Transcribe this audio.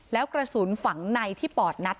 แล้วกระสุนฝังในที่ปอดนัด